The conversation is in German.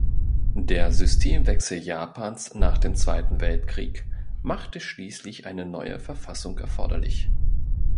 Der Systemwechsel Japans nach dem Zweiten Weltkrieg machte schließlich eine neue Verfassung erforderlich.